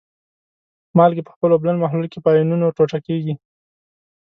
مالګې په خپل اوبلن محلول کې په آیونونو ټوټه کیږي.